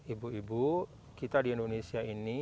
ibu ibu kita di indonesia ini